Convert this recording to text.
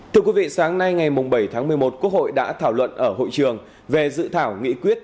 thưa quý vị sáng nay ngày bảy tháng một mươi một quốc hội đã thảo luận ở hội trường về dự thảo nghị quyết